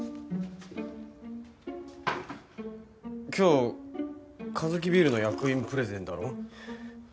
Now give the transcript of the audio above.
今日カヅキビールの役員プレゼンだろ？